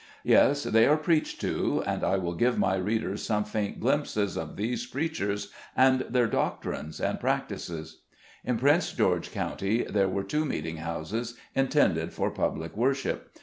Yes, they are preached to, and I will give my readers some faint glimpses of these preach ers, and their doctrines and practices. In Prince George County there were two meeting houses intended for public worship.